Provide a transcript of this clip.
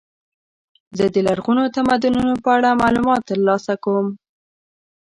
زه د لرغونو تمدنونو په اړه معلومات ترلاسه کوم.